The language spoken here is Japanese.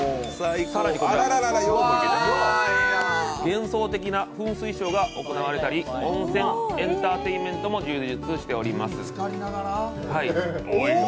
幻想的な噴水ショーが行われたり、温泉エンターテインメントも充実しております。